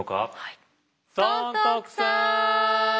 尊徳さん！